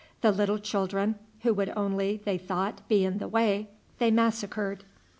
The little children, who would only, they thought, be in the way, they massacred.